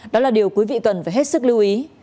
đó là điều quý vị cần phải hết sức lưu ý